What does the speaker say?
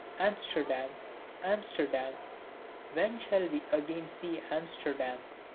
'Amsterdam! Amsterdam! when shall we again see Amsterdam!'